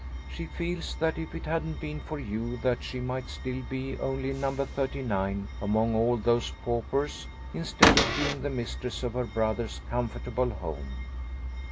She feels that if it hadn't been for you that she might still be only 'Number Thirty nine' among all those paupers, instead of being the mistress of her brother's comfortable home.